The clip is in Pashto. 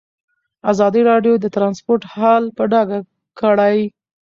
ازادي راډیو د ترانسپورټ حالت په ډاګه کړی.